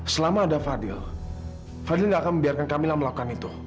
selama ada fadil fadil gak akan membiarkan kamila melakukan itu